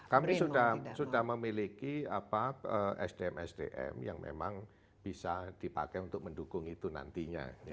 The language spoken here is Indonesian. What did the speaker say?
kami sudah memiliki sdm sdm yang memang bisa dipakai untuk mendukung itu nantinya